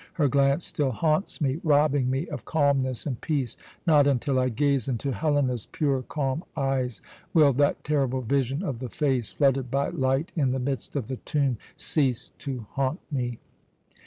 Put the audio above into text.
Her glance still haunts me, robbing me of calmness and peace. Not until I gaze into Helena's pure, calm eyes will that terrible vision of the face, flooded by light in the midst of the tomb, cease to haunt me."